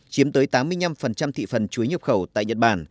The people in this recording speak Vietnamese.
chiếm tới tám mươi năm thị phần chuối nhập khẩu tại nhật bản